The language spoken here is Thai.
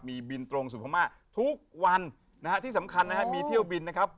มีบินตรงสู่พม่าทุกวันนะฮะที่สำคัญนะฮะมีเที่ยวบินนะครับ